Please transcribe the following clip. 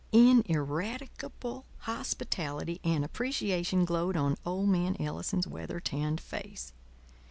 Ineradicable hospitality and appreciation glowed on old man Ellison's weather tanned face.